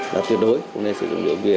là tuyệt đối không nên sử dụng rượu bia